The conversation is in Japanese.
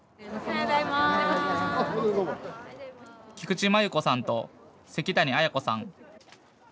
菊池麻由子さんと関谷文子さん。